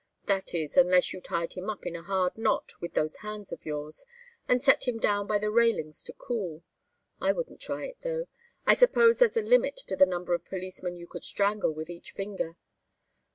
That is, unless you tied him up in a hard knot with those hands of yours, and set him down by the railings to cool. I wouldn't try it, though. I suppose there's a limit to the number of policemen you could strangle with each finger.